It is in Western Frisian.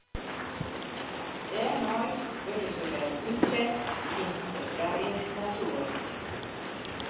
Dêrnei wurde se wer útset yn de frije natoer.